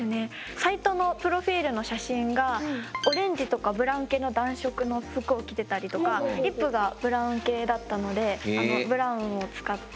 サイトのプロフィールの写真がオレンジとかブラウン系の暖色の服を着てたりとかリップがブラウン系だったのでブラウンを使って。